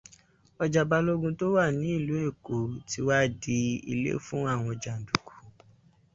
Ọjà Balógun tó wà ní Ilú Èkó ti wá di ilé fún àwọn jàǹdùkú!